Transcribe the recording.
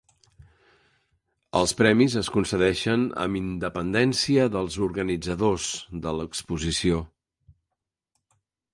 Els premis es concedeixen amb independència del organitzadors de l'exposició.